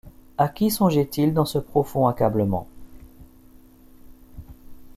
À qui songeait-il dans ce profond accablement?